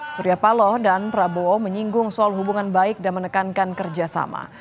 surya paloh dan prabowo menyinggung soal hubungan baik dan menekankan kerjasama